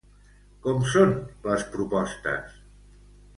Com són les propostes?